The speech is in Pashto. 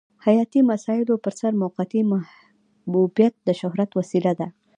حیاتي مسایلو پرسر موقتي محبوبیت د شهرت وسیله ده.